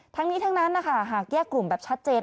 ทั้งนี้ทั้งนั้นนะคะหากแยกกลุ่มแบบชัดเจน